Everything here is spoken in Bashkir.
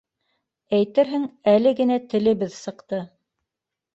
Әйтерһең, әле генә телебеҙ сыҡты.